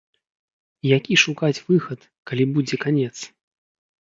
Які шукаць выхад, калі будзе канец?